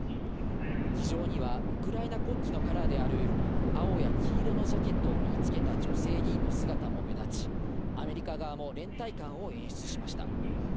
議場にはウクライナ国旗のカラーである青や黄色のジャケットを身につけた女性議員の姿も目立ち、アメリカ側も連帯感を演出しました。